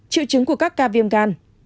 triệu chứng của các ca viêm gan